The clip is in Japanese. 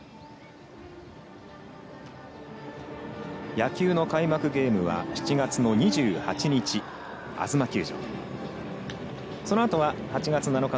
野球の開幕ゲームは７月２８日。